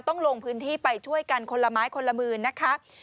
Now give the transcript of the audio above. ลงพื้นที่ไปช่วยกันคนละไม้คนละมือนะคะ